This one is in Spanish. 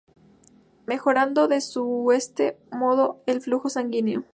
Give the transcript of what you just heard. Mejorando de este modo el flujo sanguíneo.